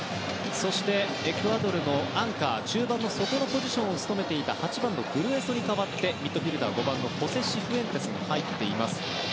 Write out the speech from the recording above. そして、エクアドルのアンカー中盤の底のポジションを務めてた８番のグルエソに代わってミッドフィールダー、５番のホセ・シフエンテスが入っています。